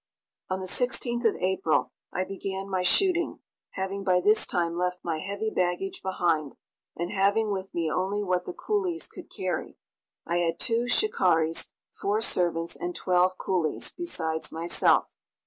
On the 16th of April I began my shooting, having by this time left my heavy baggage behind, and having with me only what the coolies could carry. I had two shikaris, four servants and twelve coolies, besides myself.